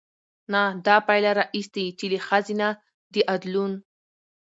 نه دا پايله راايستې، چې له ښځې نه د ادلون